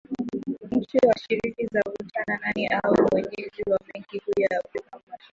Nchi washiriki zavutana nani awe mwenyeji wa benki kuu ya Afrika Mashariki